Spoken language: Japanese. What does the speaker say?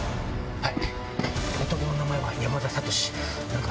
はい。